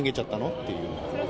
っていう。